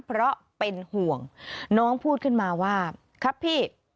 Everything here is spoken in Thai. เพราะเป็นห่วงน้องพูดขึ้นมาว่าครับพี่